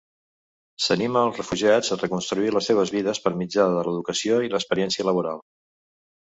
S"anima als refugiats a reconstruir les seves vides per mitjà de l"educació i l"experiència laboral.